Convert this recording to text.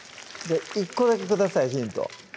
１個だけくださいヒント